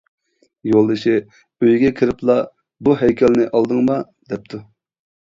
يولدىشى ئۆيگە كىرىپلا:-بۇ ھەيكەلنى ئالدىڭما؟ -دەپتۇ.